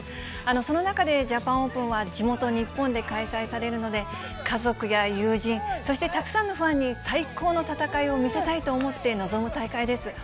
その中でジャパンオープンは地元、日本で開催されるので、家族や友人、そしてたくさんのファンに最高の戦いを見せたいと思って臨む大会です。